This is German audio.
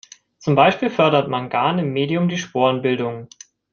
Zum Beispiel fördert Mangan im Medium die Sporenbildung.